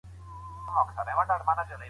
صنعتي کيدل د جګړي له امله ودرول سول.